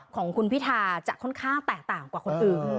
ของคุณพิธาจะค่อนข้างแตกต่างกว่าคนอื่น